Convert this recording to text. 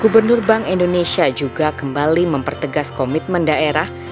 gubernur bank indonesia juga kembali mempertegas komitmen daerah